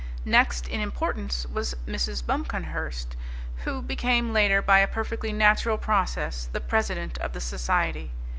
Next in importance was Mrs. Buncomhearst, who became later, by a perfectly natural process, the president of the society.